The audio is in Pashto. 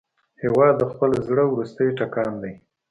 هېواد د خپل زړه وروستی ټکان دی.